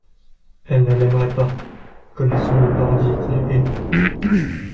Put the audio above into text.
«Elle ne l'aimerait pas, connaissant le bandit qu'il est.